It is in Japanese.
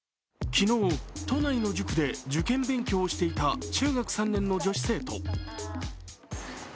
昨日、都内の塾で受験勉強をしていた中学３年生の女子生徒。